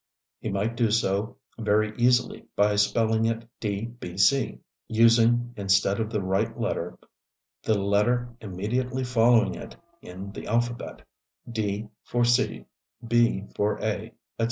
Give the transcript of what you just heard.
He might do so, very easily, by spelling it "dbc" using, instead of the right letter, the letter immediately following it in the alphabet, "d" for "c," "b" for "a," etc.